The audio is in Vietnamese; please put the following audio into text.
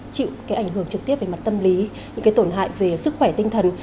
chịu cái ảnh hưởng trực tiếp về mặt tâm lý những cái tổn hại về sức khỏe tinh thần